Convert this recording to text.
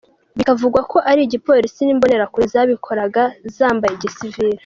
bikavugwa ko ari igipolisi n’imbonerakure zabikoraga zambaye gisivile.